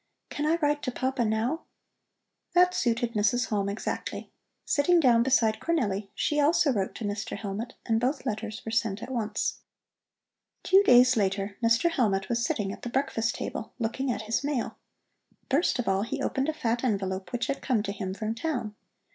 "Can I write to Papa now?" That suited Mrs. Halm exactly. Sitting down beside Cornelli, she also wrote to Mr. Hellmut, and both letters were sent at once. Two days later Mr. Hellmut was sitting at the breakfast table, looking at his mail. First of all he opened a fat envelope which had come to him from town.